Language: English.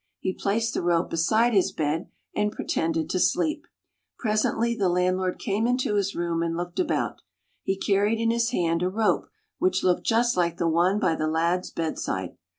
He placed the rope beside his bed, and pretended to be asleep. Presently the landlord came into his room and looked about. He carried in his hand a rope which looked just like the one by the lad's bedside.